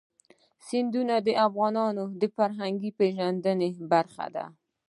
سیندونه د افغانانو د فرهنګي پیژندنې برخه ده.